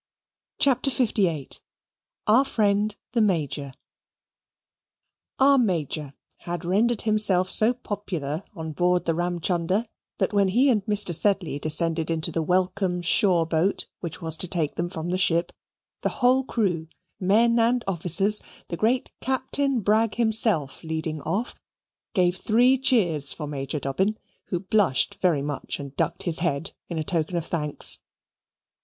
CHAPTER LVIII Our Friend the Major Our Major had rendered himself so popular on board the Ramchunder that when he and Mr. Sedley descended into the welcome shore boat which was to take them from the ship, the whole crew, men and officers, the great Captain Bragg himself leading off, gave three cheers for Major Dobbin, who blushed very much and ducked his head in token of thanks.